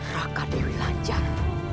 raka dewi lanjar